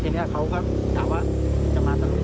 ทีนี้เขาก็ถามว่าจะมาตรงไหน